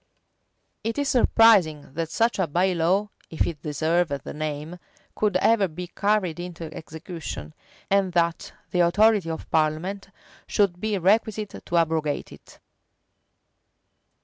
It is surprising that such a by law (if it deserve the name) could ever be carried into execution, and that the authority of parliament should be requisite to abrogate it.